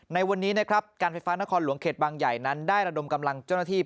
ในวันนี้นะครับการไฟฟ้านครหลวงเขตบางใหญ่นั้นได้ระดมกำลังเจ้าหน้าที่